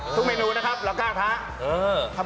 ทุกเมนูนะครับหลอกฆาตท้า